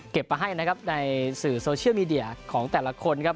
มาให้นะครับในสื่อโซเชียลมีเดียของแต่ละคนครับ